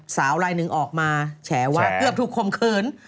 สาวลายหนึ่งออกมาแฉว่าเกือบถูกคมขืน